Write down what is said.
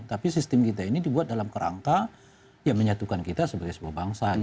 tapi sistem kita ini dibuat dalam kerangka ya menyatukan kita sebagai sebuah bangsa